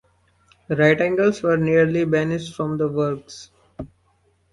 Right angles were nearly banished from the works.